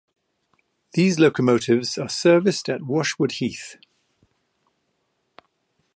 These locomotives are serviced at Washwood Heath.